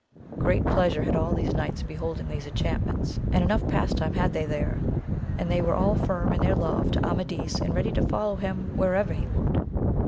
Great pleasure had all these knights in beholding these enchantments, and enough pastime had they AMADIS OF GAUL. 125 there, and they were all firm in their love to Amadis, and ready to follow him wherever he would.